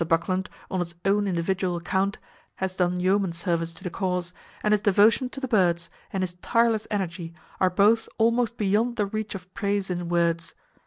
Buckland, on his own individual account, has done yeoman service to the cause, and his devotion to the birds, and his tireless energy, are both almost beyond the reach of praise in words.